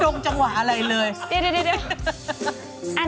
น้องเขา